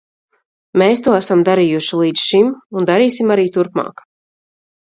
Mēs to esam darījuši līdz šim un darīsim arī turpmāk.